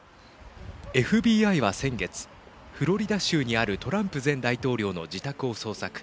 ＦＢＩは、先月フロリダ州にあるトランプ前大統領の自宅を捜索。